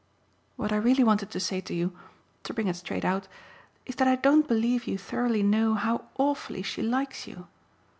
What I really wanted to say to you to bring it straight out is that I don't believe you thoroughly know how awfully she likes you.